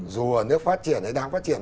dù ở nước phát triển hay đang phát triển